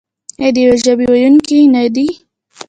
آیا د یوې ژبې ویونکي نه دي؟